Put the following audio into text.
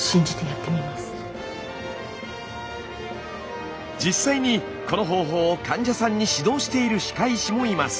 確かに実際にこの方法を患者さんに指導している歯科医師もいます。